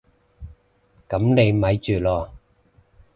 噉你咪住囉